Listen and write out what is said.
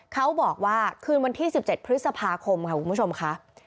เขาบอกว่าคืนวันที่๑๗พฤษภาคมค่ะคุณผู้ชมค่ะ